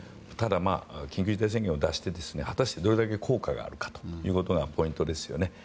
ただ、緊急事態宣言を出して果たしてどれだけ効果があるのかがポイントですよね。